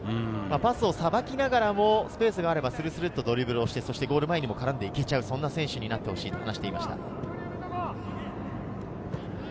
さばきながらも、スペースがあればスルスルっとドリブルをしてゴール前に行く、そんな選手になってほしいと話していました。